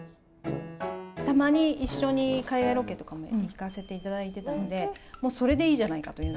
たまに一緒に海外ロケとかも行かせていただいてたので、もうそれでいいじゃないかという。